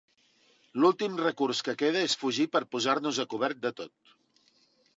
L'últim recurs que queda és fugir per posar-nos a cobert de tot.